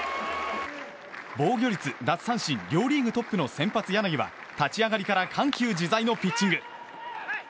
防御率、奪三振両リーグトップの先発、柳は立ち上がりから緩急自在のピッチング。